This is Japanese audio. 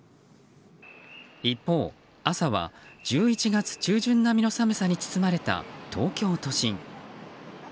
一方、朝は１１月中旬並みの寒さに包まれた東京都心。